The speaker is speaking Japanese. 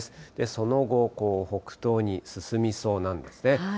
その後、北東に進みそうなんですね。